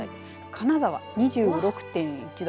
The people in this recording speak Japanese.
金沢２６．１度。